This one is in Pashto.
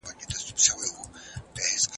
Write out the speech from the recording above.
هیڅوک باید له قانون څخه پورته عمل ونه کړي.